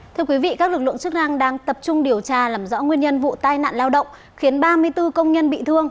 thưa quý vị các lực lượng chức năng đang tập trung điều tra làm rõ nguyên nhân vụ tai nạn lao động khiến ba mươi bốn công nhân bị thương